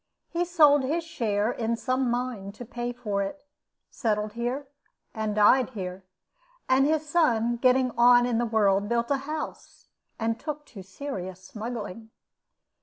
He sold his share in some mine to pay for it, settled here, and died here; and his son, getting on in the world, built a house, and took to serious smuggling.